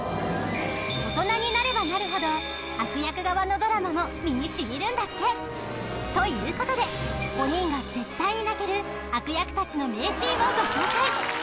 大人になればなるほど悪役側のドラマも身に染みるんだって。ということで５人が絶対に泣ける悪役たちの名シーンをご紹介。